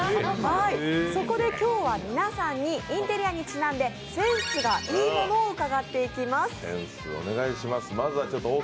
そこで今日は皆さんにインテリアにちなんでセンスがいいものを伺っていきます。